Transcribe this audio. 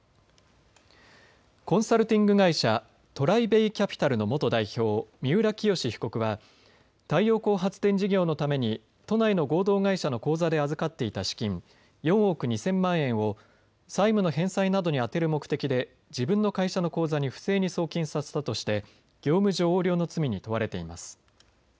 コンサルティング会社ＴＲＩＢＡＹＣＡＰＩＴＡＬの元代表、三浦清志被告は太陽光発電事業のために都内の合同会社の口座で預かっていた資金、４億２０００万円を債務の返済などに充てる目的で自分の会社の口座に不正に送金させたとして業務上横領の罪に問われています。